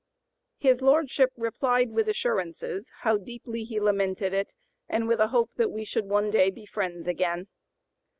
His lordship "replied with assurances how deeply he lamented it, and with a hope that we should one day be friends again."